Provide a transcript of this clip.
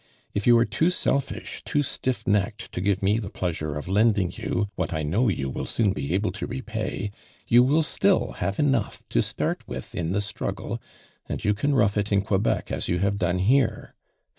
If you are too selfish, too stiff necked to give me the pleasure of lending you what I know you will soon be able to repay, you will still have enough to start with in the strug gle, and you can I'ough it in Quebec as you have done here.